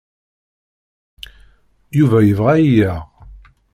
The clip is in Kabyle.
Yuba yebɣa ad iyi-yaɣ.